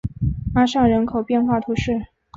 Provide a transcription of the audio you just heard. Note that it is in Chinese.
阿尚人口变化图示